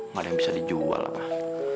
gak ada yang bisa dijual lah